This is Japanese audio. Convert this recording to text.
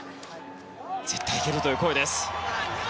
絶対いけるという声です。